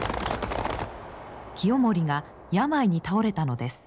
清盛が病に倒れたのです。